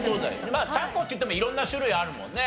まあちゃんこっていっても色んな種類あるもんね。